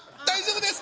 大丈夫？